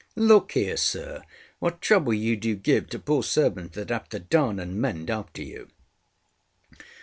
Look here, sir, what trouble you do give to poor servants that have to darn and mend after you!